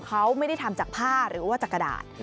เขาไม่ได้ทำจากผ้าหรือว่าจากกระดาษ